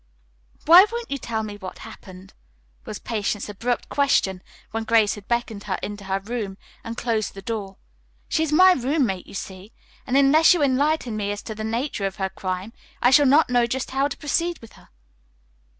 "Why won't you tell me what happened?" was Patience's abrupt question when Grace had beckoned her into her room and closed the door. "She is my roommate, you see, and unless you enlighten me as to the nature of her crime I shall not know just how to proceed with her."